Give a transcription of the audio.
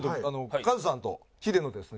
カズさんとヒデのですね